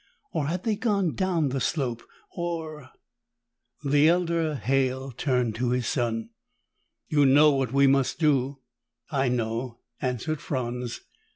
Or had they gone down the slope? Or The elder Halle turned to his son. "You know what we must do?" "I know," answered Franz.